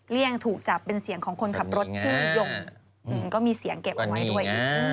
ยังถูกจับเป็นเสียงของคนขับรถชื่อยงก็มีเสียงเก็บเอาไว้ด้วย